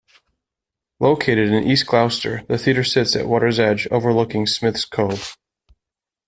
Located in East Gloucester, the theatre sits at water's edge overlooking Smith's Cove.